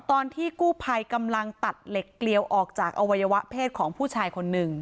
ตอนที่กู้ภัยกำลังตัดเหล็กเกลียวออกจากอวัยวะเพศของผู้ชายคนหนึ่ง